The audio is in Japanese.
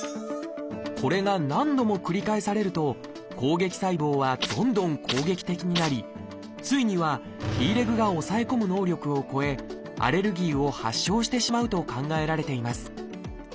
これが何度も繰り返されると攻撃細胞はどんどん攻撃的になりついにはＴレグが抑え込む能力を超えアレルギーを発症してしまうと考えられています。